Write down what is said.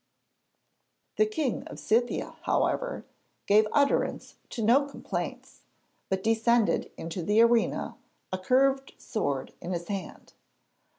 The King of Scythia, however, gave utterance to no complaints, but descended into the arena, a curved sword in his hand.